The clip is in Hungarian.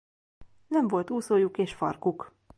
Nem volt úszójuk és farkuk.